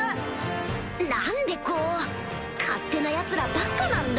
何でこう勝手なヤツらばっかなんだ！